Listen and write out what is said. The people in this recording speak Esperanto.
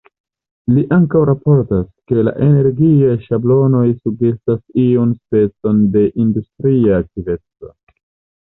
Li ankaŭ raportas, ke la energiaj ŝablonoj sugestas iun specon de industria aktiveco.